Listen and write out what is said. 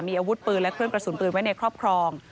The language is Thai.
มีอาวุธปืนและเครื่องกระสุนปืนไว้ในครอบครอง